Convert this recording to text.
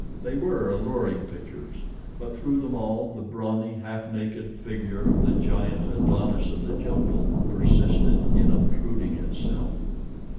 They were alluring pictures, but through them all the brawny, half naked figure of the giant Adonis of the jungle persisted in obtruding itself.